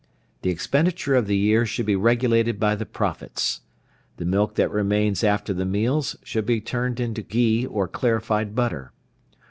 The expenditure of the year should be regulated by the profits. The milk that remains after the meals should be turned into ghee or clarified butter.